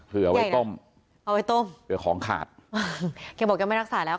เอาไว้ต้มเอาไว้ต้มเผื่อของขาดแกบอกแกไม่รักษาแล้ว